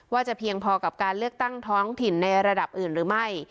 ว่าจะเพียงพอกับการเลือกตั้งท้องถิ่นในระดับอื่นหรือไม่